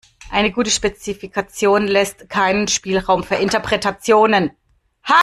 Eine gute Spezifikation lässt keinen Spielraum für Interpretationen.